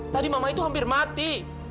tadi mama itu hampir mati